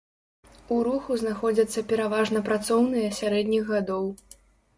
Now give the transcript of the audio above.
У руху знаходзяцца пераважна працоўныя сярэдніх гадоў.